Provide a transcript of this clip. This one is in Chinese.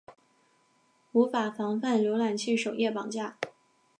无法防范浏览器首页绑架。